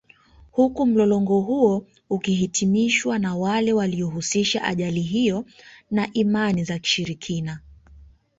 Huku mlolongo huo ukihitimishwa na wale waliohusisha ajali hiyo na Imani za Kishirikina